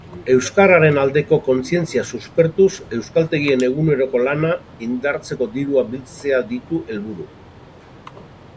Euskararen aldeko kontzientzia suspertuz euskaltegien eguneroko lana indartzeko dirua biltzea ditu helburu.